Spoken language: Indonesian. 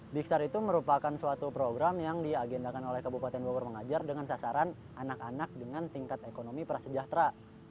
big star itu merupakan suatu program yang diagendakan oleh kabupaten bogor mengajar dengan sasaran anak anak dengan tingkat ekonomi prasejahtera